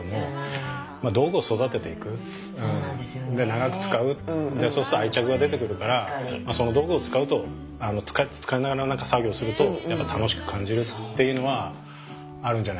長く使うそうすると愛着が出てくるから道具を使うと使いながら作業するとやっぱ楽しく感じるっていうのはあるんじゃないかなと。